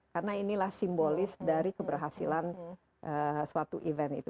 karena inilah simbolis dari keberhasilan suatu event itu